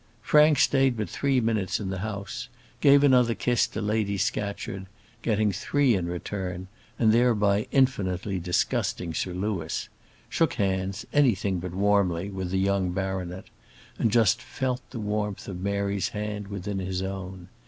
Frank stayed but three minutes in the house; gave another kiss to Lady Scatcherd, getting three in return, and thereby infinitely disgusting Sir Louis, shook hands, anything but warmly, with the young baronet, and just felt the warmth of Mary's hand within his own.